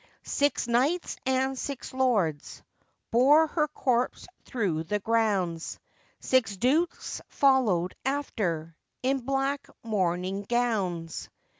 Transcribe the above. Six knights and six lords Bore her corpse through the grounds; Six dukes followed after, In black mourning gownds.